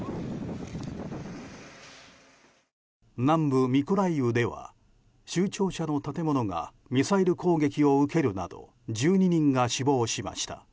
南部ミコライウでは州庁舎の建物がミサイル攻撃を受けるなど１２人が死亡しました。